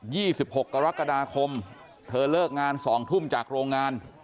ี่สิบหกกรกฎาคมเธอเลิกงานสองทุ่มจากโรงงาน